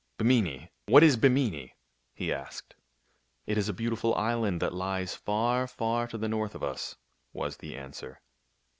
""" Bimini ! What is Bimini ?" he asked. " It is a beautiful island that lies far, far to the north of us," was the answer.